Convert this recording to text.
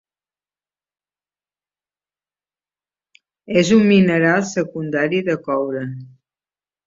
És un mineral secundari de coure.